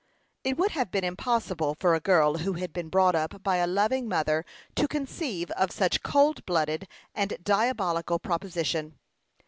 It would have been impossible for a girl who had been brought up by a loving mother to conceive of such a cold blooded and diabolical proposition.